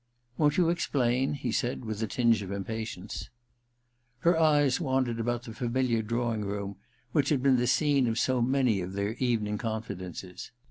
* Won't you explain ?' he said with a tinge of impatience. Her eyes wandered about the familiar draw ing room which had been the scene of so many of their evening confidences.